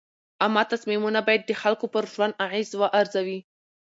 عامه تصمیمونه باید د خلکو پر ژوند اغېز وارزوي.